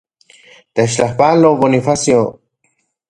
Techtlajpalo, Bonifacio.